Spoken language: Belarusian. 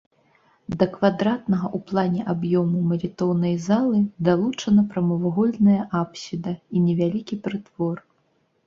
Да квадратнага ў плане аб'ёму малітоўнай залы далучана прамавугольная апсіда і невялікі прытвор.